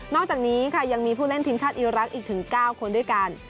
อกจากนี้ค่ะยังมีผู้เล่นทีมชาติอีรักษ์อีกถึง๙คนด้วยกัน